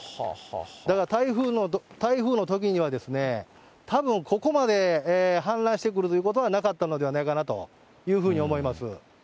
だから、台風のときには、たぶんここまで氾濫してくるということはなかったのではないかなというふうに思います。